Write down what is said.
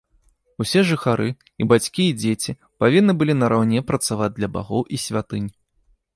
Усе жыхары, і бацькі і дзеці, павінны былі нараўне працаваць для багоў і святынь.